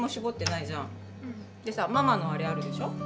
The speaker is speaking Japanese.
でさママのあれあるでしょ？